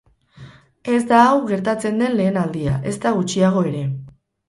Ez da hau gertatzen den lehen aldia, ezta gutxiago ere.